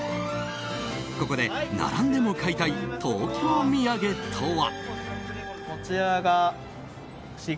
ここで並んでも買いたい東京土産とは。